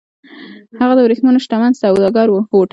هغه د ورېښمو شتمن سوداګر و